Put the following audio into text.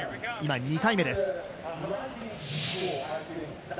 今は２回目です。